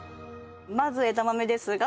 まず枝豆ですが。